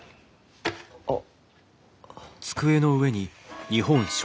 あっ。